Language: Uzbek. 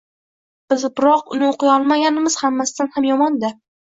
Biroq uni o’qiy olmaganimiz hammasidan ham yomon-da.